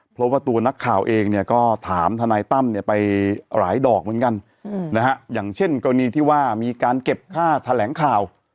เพราะว่าตัวนักข่าวเองเนี่ยก็ถามทนายตั้มเนี่ยไปหลายดอกเหมือนกันนะฮะอย่างเช่นกรณีที่ว่ามีการเก็บค่าแถลงข่าว